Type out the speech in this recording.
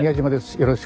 よろしく。